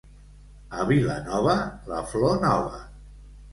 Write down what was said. A Vilanova, la flor nova.